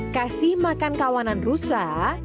kasih makan kawanan rusa